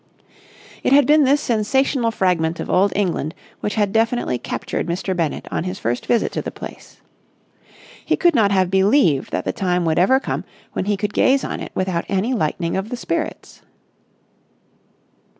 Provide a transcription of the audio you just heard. It had been this sensational fragment of Old England which had definitely captured Mr. Bennett on his first visit to the place. He could not have believed that the time would ever come when he could gaze on it without any lightening of the spirits.